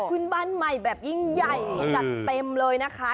ขึ้นบ้านใหม่แบบยิ่งใหญ่จัดเต็มเลยนะคะ